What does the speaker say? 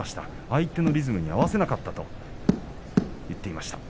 相手のリズムに合わせなかったと言っていました。